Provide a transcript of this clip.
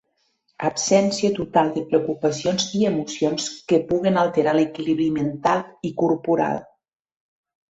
Absència total de preocupacions i emocions que puguen alterar l'equilibri mental i corporal.